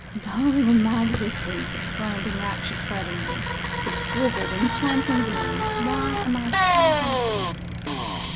'Darling of my existence!' exclaimed the enraptured Ferdinand, 'exquisite, enchanting being! Why am I so happy?